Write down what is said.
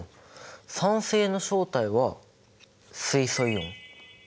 酸性の正体は水素イオン。